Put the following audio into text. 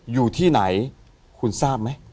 อยู่ที่ไหนคุณทราบไหม